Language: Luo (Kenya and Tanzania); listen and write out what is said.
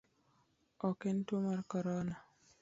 Ok en tuo mar corona?